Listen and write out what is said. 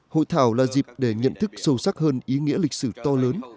hội thảo là dịp để nhận thức sâu sắc hơn ý nghĩa lịch sử to lớn